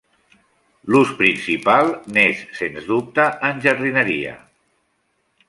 L'ús principal n'és sens dubte en jardineria.